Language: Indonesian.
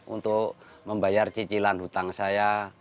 untuk membayar cicilan hutang saya